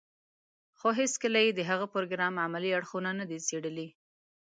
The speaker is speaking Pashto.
خو هېڅکله يې د هغه پروګرام عملي اړخونه نه دي څېړلي.